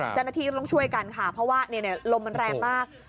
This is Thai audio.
เจ้าหน้าที่ก็ต้องช่วยกันค่ะเพราะว่าลมมันแรงมาก